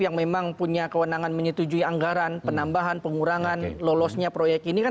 yang memang punya kewenangan menyetujui anggaran penambahan pengurangan lolosnya proyek ini kan